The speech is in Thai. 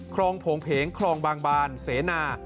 โผงเพงคลองบางบานเสนา